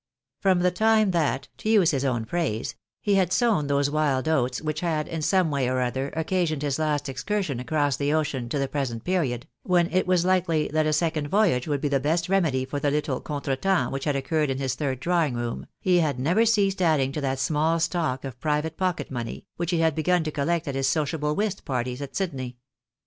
From the time that — to use his own phrase — he had sown those wild oats which had, in some way or other, occasioned his last excursion across the ocean to the present period, when it was likely that a second voyage would be the best remedy for the little contre temps which had occurred in his " third drawing room," he had never ceased adding to that small stock of private pocket money, which he had begun to collect at his sociable whist parties at Sydney.